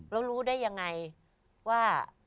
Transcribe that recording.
แล้วรู้ได้ยังไงว่า